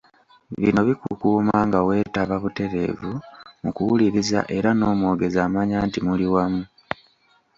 Bino bikukuuma ngaweetaba butereevu mu kuwuliriza ara n’omwogezi amanya nti muli wamu .